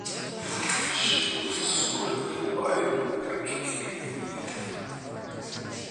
She was a student of Ivan Petrovsky.